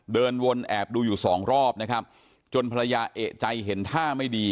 เดินวนแอบดูอยู่สองรอบนะครับจนภรรยาเอกใจเห็นท่าไม่ดี